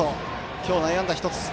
今日、内野安打１つ。